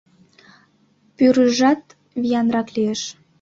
Пӱрыжат виянрак лиеш...